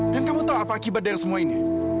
dan kamu tau apa akibat dari semua ini